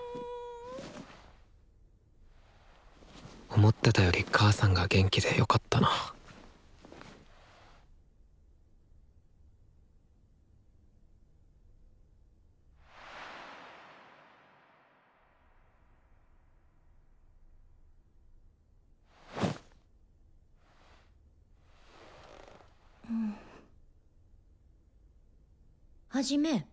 思ってたより母さんが元気でよかったなハジメ。